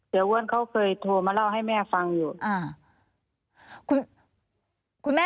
อ้วนเขาเคยโทรมาเล่าให้แม่ฟังอยู่อ่า